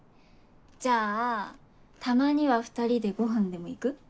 じゃあたまには２人でごはんでも行く？